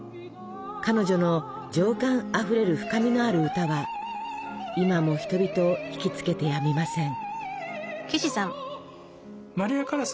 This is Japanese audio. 彼女の情感あふれる深みのある歌は今も人々を引きつけてやみません。